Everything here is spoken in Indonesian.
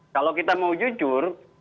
kalau kita mau jujur